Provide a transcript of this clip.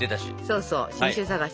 そうそう新種探し。